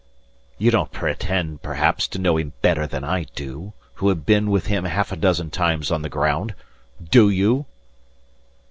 "You don't pretend, perhaps, to know him better than I do who have been with him half a dozen times on the ground do you?"